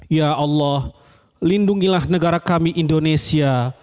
ya allah lindungilah negara kami indonesia